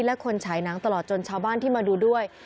และคนฉายหนังตลอดจนชาวบ้านที่มาดูด้วย